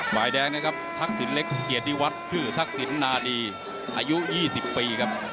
ฝ่ายแดงนะครับทักษิณเล็กเกียรติวัฒน์ชื่อทักษิณนาดีอายุ๒๐ปีครับ